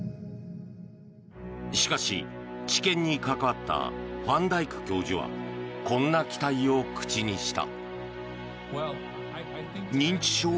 しかし、治験に関わったファン・ダイク教授はこんな期待を口にした。